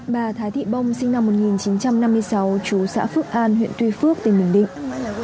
bà thái thị bông sinh năm một nghìn chín trăm năm mươi sáu chú xã phước an huyện tuy phước tỉnh bình định